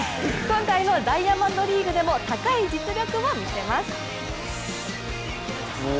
今回のダイヤモンドリーグでも高い実力を見せます。